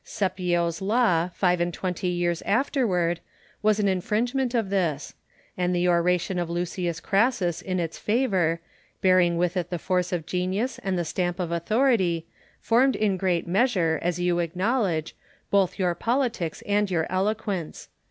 Cepio's law, five and twenty years afterward, was an infringement of this ; and the oration of Lucius Crassus in its favour, bearing with it the force of genius and the stamp of authority, formed in great measure, as you acknowledge, both your politics and your eloquence.